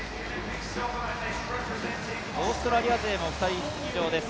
オーストラリア勢も２人出場です。